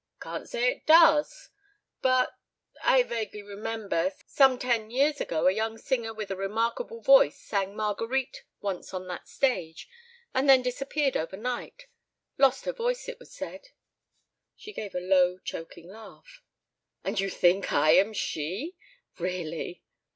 "Can't say it does. ... But ... I vaguely remember some ten years ago a young singer with a remarkable voice sang Marguerite once on that stage and then disappeared overnight ... lost her voice, it was said. ..." She gave a low choking laugh. "And you think I am she? Really!"